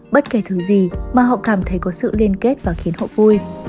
bất kể thứ gì mà họ cảm thấy có sự liên kết và khiến họ vui